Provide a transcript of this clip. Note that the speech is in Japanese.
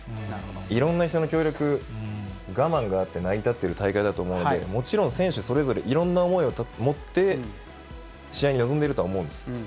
いろんな人の協力、我慢があって成り立っている大会だと思うので、もちろん選手それぞれ、いろんな思いを持って、試合に臨んでいると思うんです。